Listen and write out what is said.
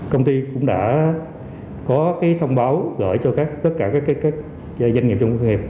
công ty cũng đã có thông báo gọi cho tất cả các doanh nghiệp trong khu công nghiệp